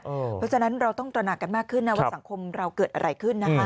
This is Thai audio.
เพราะฉะนั้นเราต้องตระหนักกันมากขึ้นนะว่าสังคมเราเกิดอะไรขึ้นนะคะ